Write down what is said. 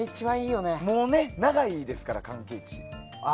もう長いですから、関係が。